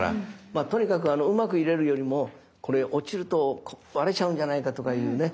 まあとにかくうまく入れるよりも「これ落ちると割れちゃうんじゃないか？」とかいうね